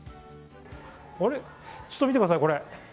ちょっと見てください。